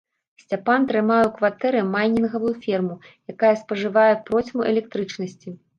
Сцяпан трымае ў кватэры майнінгавую ферму, якая спажывае процьму электрычнасці.